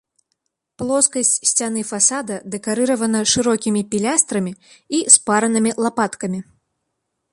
Плоскасць сцяны фасада дэкарыравана шырокімі пілястрамі і спаранымі лапаткамі.